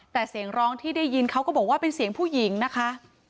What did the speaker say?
แต่เสียงร้องที่ได้ยินเขาก็บอกว่าเป็นเสียงผู้หญิงนะคะ